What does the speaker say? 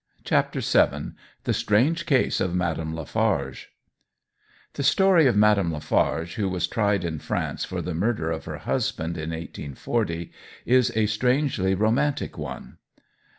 CHAPTER VII THE STRANGE CASE OF MADAME LAFARGE THE story of Madame Lafarge, who was tried in France for the murder of her husband in 1840, is a strangely romantic one.